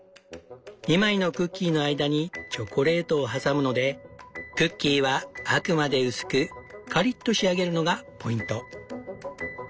２枚のクッキーの間にチョコレートを挟むのでクッキーはあくまで薄くカリッと仕上げるのがポイント。